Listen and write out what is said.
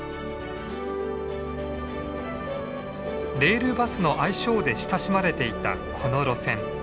レールバスの愛称で親しまれていたこの路線。